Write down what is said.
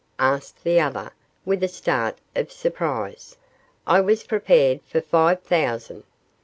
asked the other, with a start of surprise; 'I was prepared for five thousand.